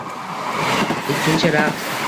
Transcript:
Ikkinchi raqs.